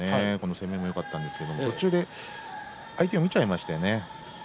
攻めもよかったんですけれども途中で相手を見ちゃいましたよね。